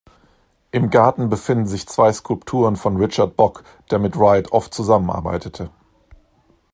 Im Garten befinden sich zwei Skulpturen von Richard Bock, der mit Wright oft zusammenarbeitete.